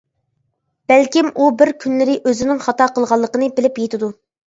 بەلكىم ئۇ بىر كۈنلىرى ئۆزىنىڭ خاتا قىلغانلىقىنى بىلىپ يىتىدۇ.